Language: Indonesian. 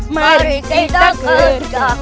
mari kita kerja